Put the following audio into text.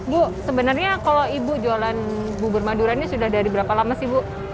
bu sebenarnya kalau ibu jualan bubur madura ini sudah dari berapa lama sih bu